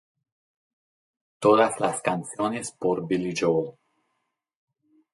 Todas las canciones por Billy Joel